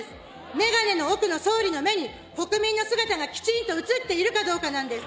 メガネの奥の総理の目に、国民の姿がきちんと映っているかどうかなんです。